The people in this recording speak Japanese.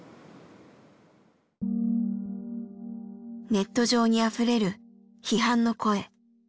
ネット上にあふれる批判の声。